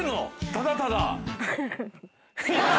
ただただ。